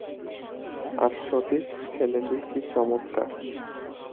আর সতীশ ছেলেটি কী চমৎকার!